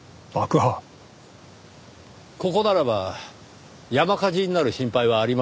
ここならば山火事になる心配はありません。